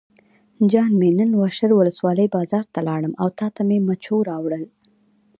جان مې نن واشر ولسوالۍ بازار ته لاړم او تاته مې مچو راوړل.